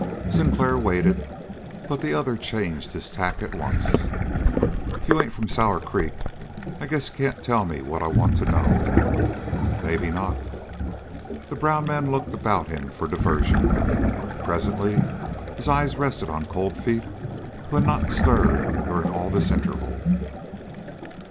Sinclair waited, but the other changed his tack at once. "If you ain't from Sour Creek, I guess you can't tell me what I want to know." "Maybe not." The brown man looked about him for diversion. Presently his eyes rested on Cold Feet, who had not stirred during all this interval.